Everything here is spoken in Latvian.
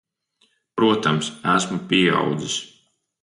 Protams. Esmu pieaudzis.